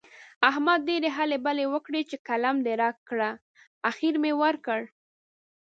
احمد ډېرې هلې بلې وکړې چې قلم دې راکړه؛ اخېر مې ورکړ.